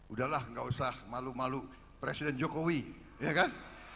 udahlah nggak usah malu malu presiden jokowi ya kan